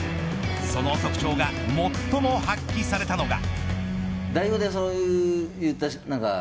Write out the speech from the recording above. その特徴が最も発揮されたのが。